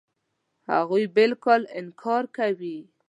هغوی بالکل انکار کوي.